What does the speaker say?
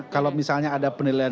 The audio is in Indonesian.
kalau misalnya ada penilaian